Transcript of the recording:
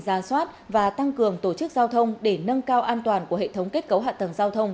gia soát và tăng cường tổ chức giao thông để nâng cao an toàn của hệ thống kết cấu hạ tầng giao thông